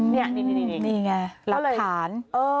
นี่ไงหลักฐาน